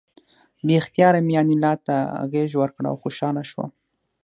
بې اختیاره مې انیلا ته غېږ ورکړه او خوشحاله شوم